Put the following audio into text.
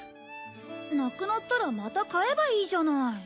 なくなったらまた買えばいいじゃない。